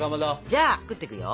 じゃあ作ってくよ。